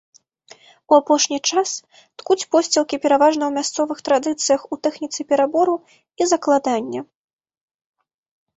У апошні час ткуць посцілкі пераважна ў мясцовых традыцыях у тэхніцы перабору і закладання.